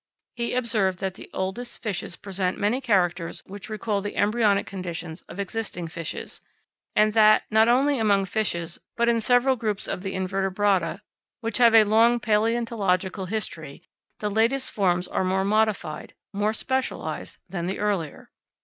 He observed that the oldest fishes present many characters which recall the embryonic conditions of existing fishes; and that, not only among fishes, but in several groups of the invertebrata which have a long palaeontological history, the latest forms are more modified, more specialised, than the earlier.